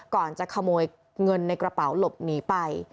ก่อนจะขโมยเงินในกระเป๋าหลบหนีไป